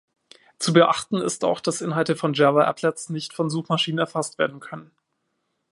Zu beachten ist auch, dass Inhalte von Java-Applets nicht von Suchmaschinen erfasst werden können.